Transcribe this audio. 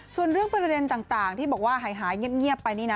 ส่วนเรื่องประเด็นต่างที่บอกว่าหายเงียบไปนี่นะ